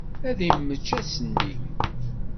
Ad immečč ass-nni.